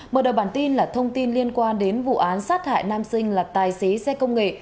mở đầu bản tin là thông tin liên quan đến vụ án sát hại nam sinh là tài xế xe công nghệ